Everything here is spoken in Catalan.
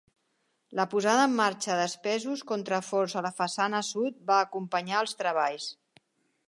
La posada en marxa d'espessos contraforts a la façana sud va acompanyar els treballs.